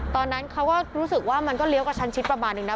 ตอนนั้นเขาก็รู้สึกว่ามันก็เลี้ยวกระชันชิดประมาณนึงนะ